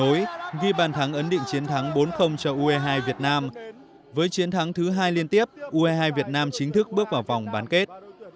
trong tối ghi bàn thắng ấn định chiến thắng bốn cho ue hai việt nam với chiến thắng thứ hai liên tiếp ue hai việt nam chính thức bước vào vòng bán kết